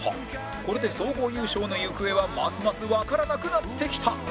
これで総合優勝の行方はますますわからなくなってきた